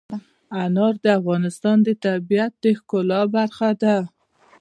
انار د افغانستان د طبیعت د ښکلا برخه ده.